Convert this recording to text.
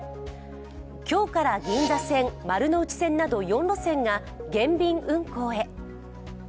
今日から銀座線、丸ノ内線など４路線が減便運行へ。